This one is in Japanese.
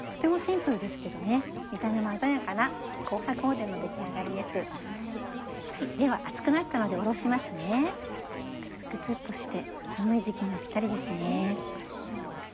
グツグツっとして寒い時期にはピッタリですね。